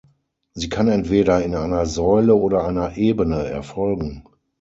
Sie kann entweder in einer Säule oder einer Ebene erfolgen.